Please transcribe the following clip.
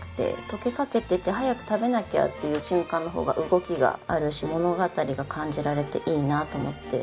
溶けかけてて早く食べなきゃっていう瞬間の方が動きがあるし物語が感じられていいなと思って。